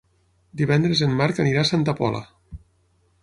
Divendres en Marc anirà a Santa Pola.